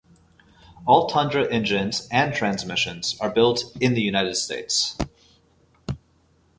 All Tundra engines and transmissions are built in the United States.